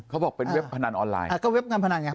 เขาบอกเป็นเว็บพนันออนไลน์อ่าก็เว็บการพนันไง